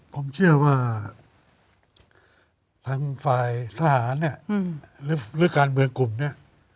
ผมเชื่อว่าทางฝ่ายทหารเนี่ยหรือการเมืองกลุ่มนี้